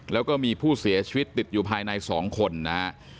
แล้วก็มีผู้เสียชีวิตติดอยู่ภายใน๒คนนะฮะ